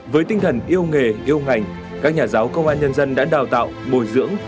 với tinh thần yêu nghề yêu ngành các nhà giáo công an nhân dân đã đào tạo bồi dưỡng